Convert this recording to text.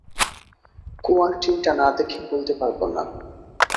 কুয়ার টিনটা না-দেখে বলতে পারব না।